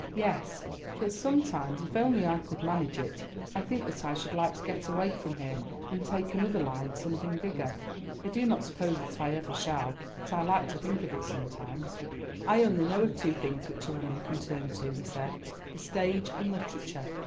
"Yes, but sometimes, if only I could manage it, I think that I should like to get away from here, and take another line, something bigger. I do not suppose that I ever shall, but I like to think of it sometimes." "I only know of two things which a woman can turn to," he said, "the stage and literature.